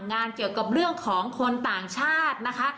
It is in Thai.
งานเกี่ยวกับเรื่องของคนต่างชาตินะคะ